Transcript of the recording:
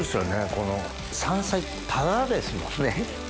この山菜ってタダですもんね。